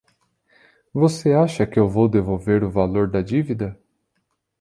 Você acha que eu vou devolver o valor da dívida?